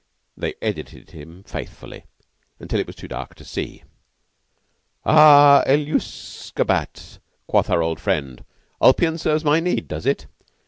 They edited him faithfully till it was too dark to see. "'Aha! Elucescebat, quoth our friend.' Ulpian serves my need, does it?